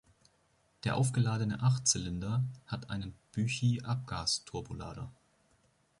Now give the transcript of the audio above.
Der aufgeladene Achtzylinder hat einen Büchi-Abgasturbolader.